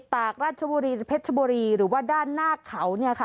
ตากราชบุรีเพชรชบุรีหรือว่าด้านหน้าเขาเนี่ยค่ะ